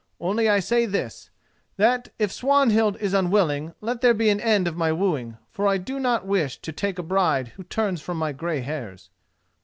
Only I say this, that, if Swanhild is unwilling, let there be an end of my wooing, for I do not wish to take a bride who turns from my grey hairs."